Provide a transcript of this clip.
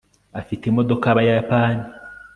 afite imodoka y'abayapani